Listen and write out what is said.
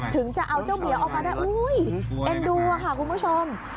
ถึงจะเอาเจ้าเหมียวออกมาได้อุ้ยเอ็นดูอะค่ะคุณผู้ชม